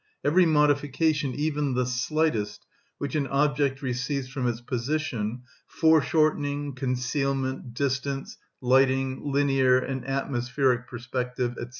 Every modification, even the slightest, which an object receives from its position, foreshortening, concealment, distance, lighting, linear and atmospheric perspective, &c.